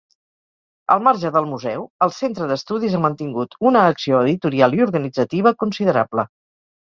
Al marge del museu, el Centre d’Estudis ha mantingut una acció editorial i organitzativa considerable.